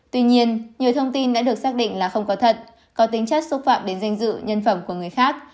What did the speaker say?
tuy nhiên nhiều thông tin đã được xác định là không có thật có tính chất xúc phạm đến danh dự nhân phẩm của người khác